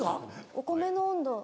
お米の温度。